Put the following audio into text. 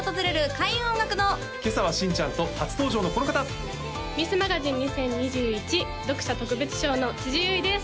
開運音楽堂今朝は新ちゃんと初登場のこの方ミスマガジン２０２１読者特別賞の辻優衣です